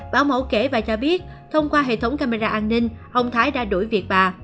bảo mẫu kể và cho biết thông qua hệ thống camera an ninh ông thái đã đuổi việc bà